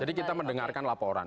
jadi kita mendengarkan laporan